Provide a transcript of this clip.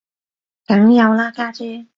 梗有啦家姐